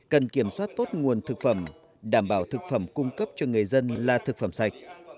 cần kiểm soát tốt nguồn thực phẩm đảm bảo thực phẩm cung cấp cho người dân là thực phẩm sạch